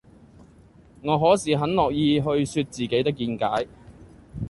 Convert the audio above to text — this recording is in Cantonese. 我可是很樂意去說自己的見解